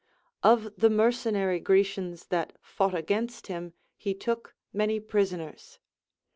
Of the mercenary Grecians that fought against him he took many prisoners.